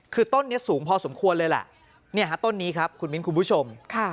คือต้นนี้สูงพอสมควรเลยแหละฮะต้นนี้ครับคุณมิ้นคุณผู้ชม